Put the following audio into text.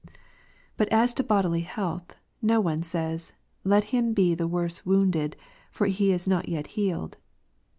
" but as to bodily health, no one says, " Let him be worse wounded, for he is not yet healed."